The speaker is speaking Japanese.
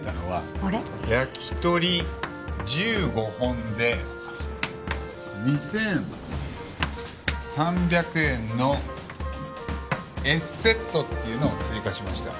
焼き鳥１５本で２３００円のＳセットっていうのを追加しました。